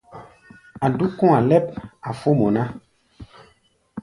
A̧ dúk kɔ̧́-a̧ lɛ́p, a̧ fó mɔ ná.